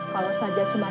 kalau saja sebuah kecemasan